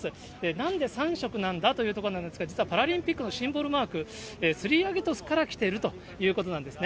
なんで３色なんだというところなんですが、実はパラリンピックのシンボルマーク、スリーアギトスからきているということなんですね。